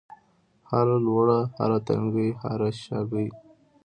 هره لوړه، هر تنګی هره شاګۍ